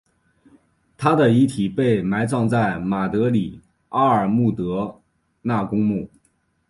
她的遗体被埋葬在马德里阿尔穆德纳公墓。